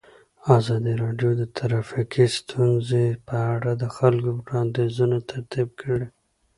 ازادي راډیو د ټرافیکي ستونزې په اړه د خلکو وړاندیزونه ترتیب کړي.